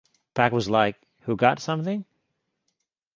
'Pac was like, Who got something?